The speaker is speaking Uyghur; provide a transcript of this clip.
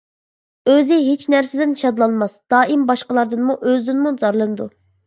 ئۆزى ھېچ نەرسىدىن شادلانماس، دائىم باشقىلاردىنمۇ، ئۆزىدىنمۇ زارلىنىدۇ.